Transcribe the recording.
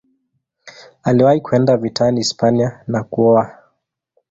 Aliwahi kwenda vitani Hispania na kuoa.